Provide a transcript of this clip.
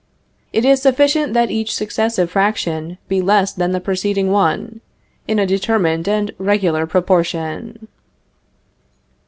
It is sufficient that each successive fraction be less than the preceding one, in a determined and regular proportion.